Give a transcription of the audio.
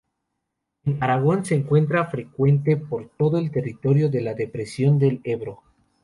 En Aragón se encuentra, frecuente, por todo el territorio de la Depresión del Ebro.